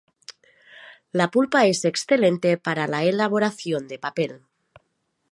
La pulpa es excelente para la elaboración de papel.